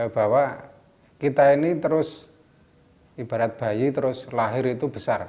bahwa kita ini terus ibarat bayi terus lahir itu besar